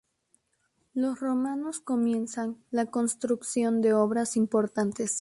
Los romanos comienzan la construcción de obras importantes.